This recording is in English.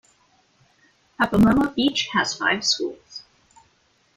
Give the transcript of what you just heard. Papamoa Beach has five schools.